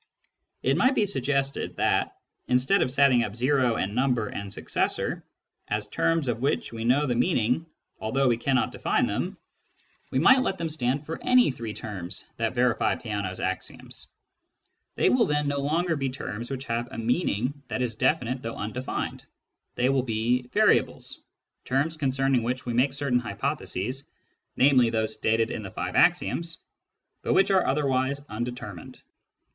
It might be suggested that, instead of setting up " o ", and " number " and " successor " as terms of which we know the meaning although we cannot define them, we might let them io Introduction to Mathematical Philosophy stand for any three terms that verify Peano's five axioms. They will then no longer be terms which have a meaning that is definite though undefined : they will be " variables," terms concerning which we make certain hypotheses, namely, those stated in the five axioms, but which are otherwise undetermined.